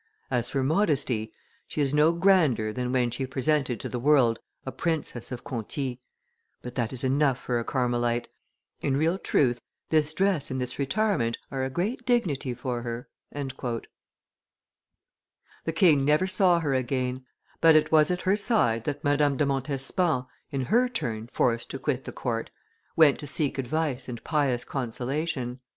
As for modesty, she is no grander than when she presented to the world a princess of Conti, but that is enough for a Carmelite. In real truth, this dress and this retirement are a great dignity for her." The king never saw her again, but it was at her side that Madame de Montespan, in her turn forced to quit the court, went to seek advice and pious consolation.